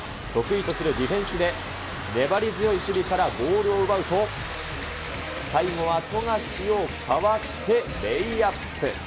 得意とするディフェンスで粘り強い守備からボールを奪うと、最後は富樫をかわしてレイアップ。